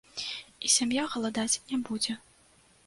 І сям'я галадаць не будзе.